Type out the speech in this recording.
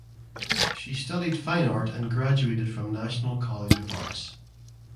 She studied Fine Art and graduated from National College of Arts.